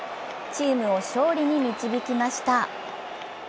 チームを勝利に導きました。